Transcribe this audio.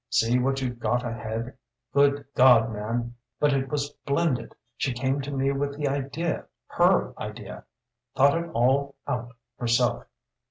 See what you've got ahead? God, man but it was splendid! She came to me with the idea her idea thought it all out herself.